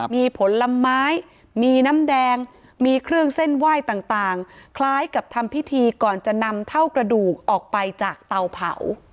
มีผลไม้มีน้ำแดงมีเครื่องเส้นไหว้ต่างคล้ายกับทำพิธีก่อนจะนำเท่ากระดูกออกไปจากเตาเผา